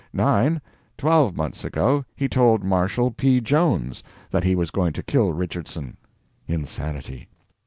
"9. Twelve months ago he told Marshall P. Jones that he was going to kill Richardson. Insanity.